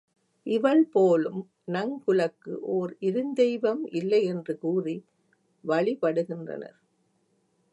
இவள் போலும் நங் குலக்கு ஒர் இருந் தெய்வம் இல்லை என்று கூறி வழிபடுகின்றனர்.